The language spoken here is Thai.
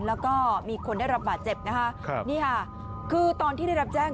แล้วก็มีคนได้รับบาดเจ็บนะฮะคือตอนที่ได้รับแจ้ง